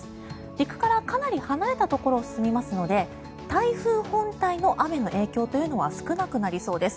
陸からかなり離れたところを進みますので台風本体の雨の影響というのは少なくなりそうです。